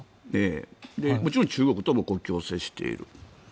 もちろん中国とも国境を接している。